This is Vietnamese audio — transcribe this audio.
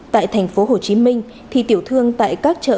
thì tiểu thương tại các chợ